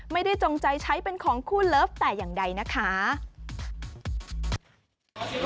ไม่ได้จงใจใช้เป็นของคู่รักแต่อย่างใดนะครับ